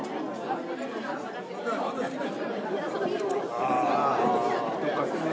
ああ。